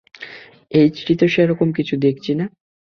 এ চিঠিতে তো সেরকম কিছুই দেখছি নে।